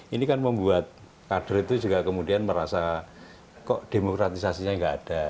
ini kan membuat kader itu juga kemudian merasa kok demokratisasinya nggak ada